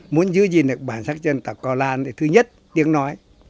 muốn giữ gìn được bản sắc dân tộc cao lan thì thứ nhất tiếng nói